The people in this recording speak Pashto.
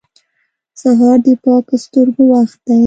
سهار د پاکو سترګو وخت دی.